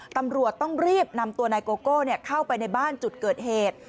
ตำรวจต้องรีบนำตัวนายโกโก้เข้าไปในบ้านจุดเกิดเหตุ